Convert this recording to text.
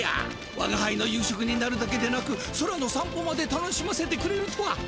わがはいの夕食になるだけでなく空のさん歩まで楽しませてくれるとは。